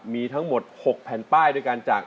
มีทั้งหมด๖แผ่นป้ายด้วยกันจาก